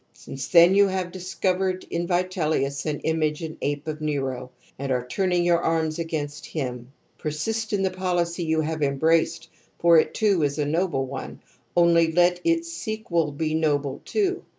Since then you have discovered in Vitellius an image and ape of Nero, and are turning your arms against him, persist in the policy you have embraced, for it too is a noble one, only let its sequel be noble too.